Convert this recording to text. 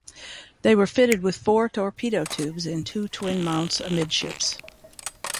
They were fitted with four torpedo tubes in two twin mounts amidships.